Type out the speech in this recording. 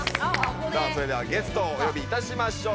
ゲストをお呼びいたしましょう。